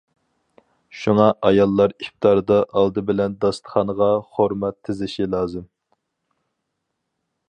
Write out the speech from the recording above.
شۇڭا ئاياللار ئىپتاردا ئالدى بىلەن داستىخانغا خورما تىزىشى لازىم.